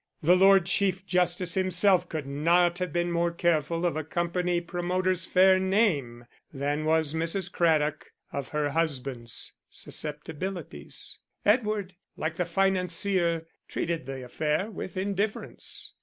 The Lord Chief Justice himself could not have been more careful of a company promoter's fair name than was Mrs. Craddock of her husband's susceptibilities; Edward, like the financier, treated the affair with indifference.